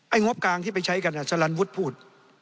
งบกลางที่ไปใช้กันสลันวุฒิพูด